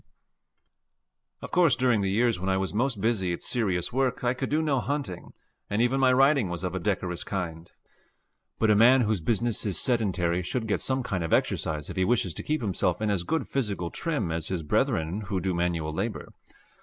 Of course during the years when I was most busy at serious work I could do no hunting, and even my riding was of a decorous kind. But a man whose business is sedentary should get some kind of exercise if he wishes to keep himself in as good physical trim as his brethren who do manual labor.